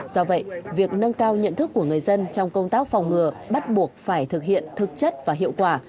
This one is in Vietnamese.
do vậy việc nâng cao nhận thức của người dân trong công tác phòng ngừa bắt buộc phải thực hiện thực chất và hiệu quả